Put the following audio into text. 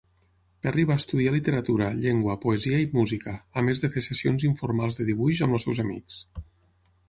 Perry va estudiar literatura, llengua, poesia i música, a més de fer sessions informals de dibuix amb els seus amics.